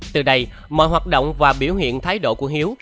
từ đây mọi hoạt động và biểu hiện thái độ của hiếu